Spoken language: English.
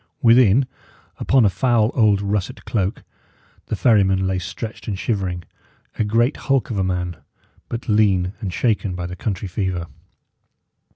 Within, upon a foul old russet cloak, the ferryman lay stretched and shivering; a great hulk of a man, but lean and shaken by the country fever.